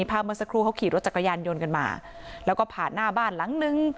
เมื่อสักครู่เขาขี่รถจักรยานยนต์กันมาแล้วก็ผ่านหน้าบ้านหลังนึง